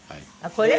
これ？